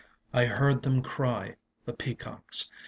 I heard them cry ŌĆö the peacocks.